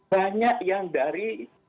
banyak yang dari